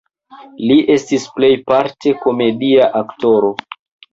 Li estis plejparte komedia aktoro.